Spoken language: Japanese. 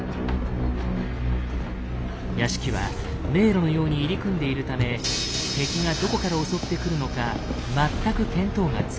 屋敷は迷路のように入り組んでいるため敵がどこから襲ってくるのか全く見当がつかない。